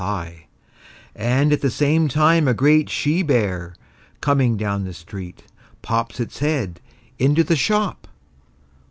gif)] and at the same time a great she bear, coming down the street, pops its head into the shop.